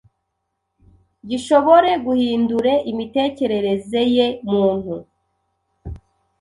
gishobore guhindure imitekerereze ye muntu